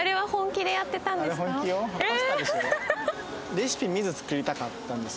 レシピ見ず作りたかったんです。